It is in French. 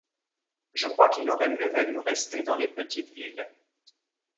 Je crois qu’il aurait mieux valu rester dans les petites villes.